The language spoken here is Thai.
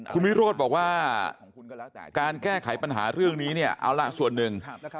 คุณวิโรธบอกว่าการแก้ไขปัญหาเรื่องนี้เนี่ยเอาละส่วนหนึ่ง